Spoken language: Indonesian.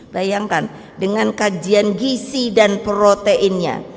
bayangkan dengan kajian gisi dan proteinnya